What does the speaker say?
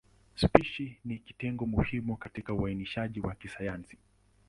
Spishi ni kitengo muhimu katika uainishaji wa kisayansi.